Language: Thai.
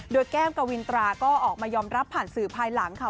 โดยแก้มกวินตราก็ออกมายอมรับผ่านสื่อภายหลังค่ะ